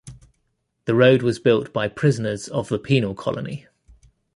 The road was built by prisoners of the penal colony.